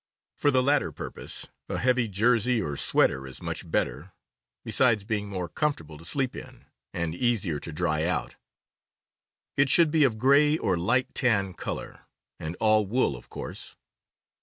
For the latter purpose a heavy jersey or sweater is much better, besides being more comfortable to sleep in, and easier to dry out. It should be of gray or light tan color, and all wool of course.